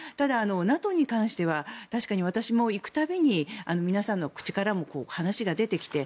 ただ、ＮＡＴＯに関しては確かに私も行くたびに皆さんの口からも話が出てきて。